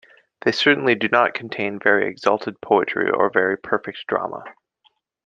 They certainly do not contain very exalted poetry or very perfect drama.